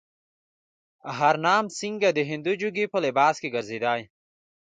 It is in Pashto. هرنام سینګه د هندو جوګي په لباس کې ګرځېدی.